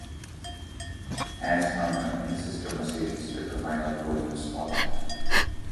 Hans Herrmann in the sister Mercedes took the final podium spot.